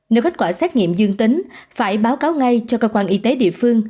nếu kết quả xét nghiệm dương tính phải báo cáo ngay cho cơ quan y tế địa phương